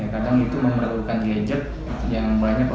kadang itu memerlukan gadget kadang itu memerlukan gadget